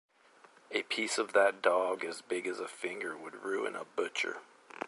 A piece of that dog as big as a finger would ruin a butcher.